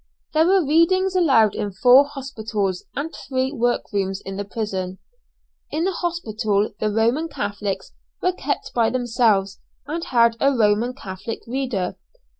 There were readings aloud in four hospital and three work rooms in the prison. In the hospital the Roman Catholics were kept by themselves, and had a Roman Catholic reader.